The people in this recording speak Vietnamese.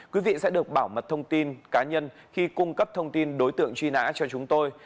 quý vị sẽ được bảo mật thông tin cá nhân khi cung cấp thông tin đối tượng truy nã cho chúng tôi